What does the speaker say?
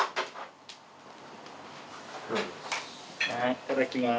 いただきます。